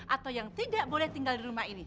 atau yang tidak boleh tinggal di rumah ini